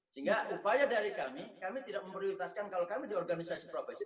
sehingga upaya dari kami kami tidak memprioritaskan kalau kami di organisasi profesi